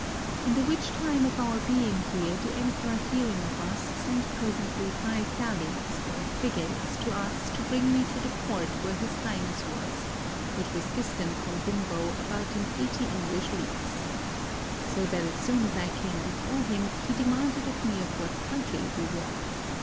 In the which time of our being here, the emperor hear ing of us sent presently five galleys, or frigates, to us to bring me to the court where His Highness was, which was distant from Bungo about an eighty English leagues. So that as soon as I came before him, he demanded of me of what country we were.